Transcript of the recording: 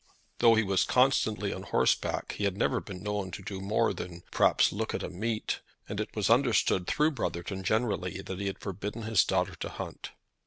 Though he was constantly on horseback, he had never been known to do more than perhaps look at a meet, and it was understood through Brotherton generally that he had forbidden his daughter to hunt.